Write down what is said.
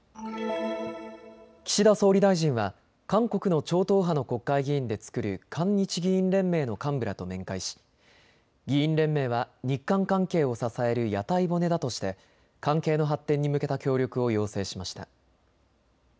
岸田総理大臣は韓国の超党派の国会議員で作る韓日議員連盟の幹部らと面会し議員連盟は日韓関係を支える屋台骨だとして関係の発展に向けた協力を要請しました。